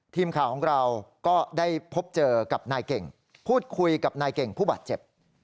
ทีมข่าวของเราก็ได้พบเจอกับนายเก่งพูดคุยกับนายเก่งผู้บาดเจ็บ